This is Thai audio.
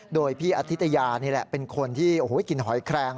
โดยพี่อธิตยานี่แหละเป็นคนที่กินหอยแครง